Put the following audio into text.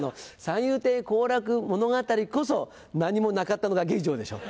三遊亭好楽物語こそ何もなかったのか劇場でしょ。